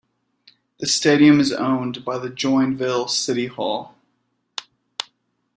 The stadium is owned by the Joinville City Hall.